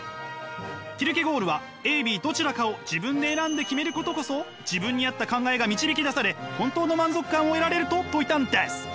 キルケゴールはＡＢどちらかを自分で選んで決めることこそ自分に合った考えが導き出され本当の満足感を得られると説いたんです！